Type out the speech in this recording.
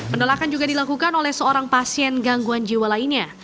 penolakan juga dilakukan oleh seorang pasien gangguan jiwa lainnya